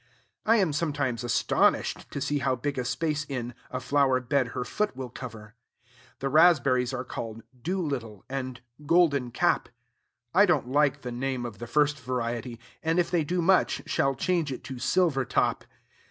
I am sometimes astonished, to see how big a space in, a flower bed her foot will cover. The raspberries are called Doolittle and Golden Cap. I don't like the name of the first variety, and, if they do much, shall change it to Silver Top.